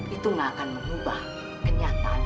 itu gak akan mengubah kenyataan